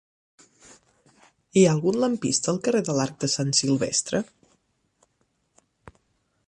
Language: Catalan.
Hi ha algun lampista al carrer de l'Arc de Sant Silvestre?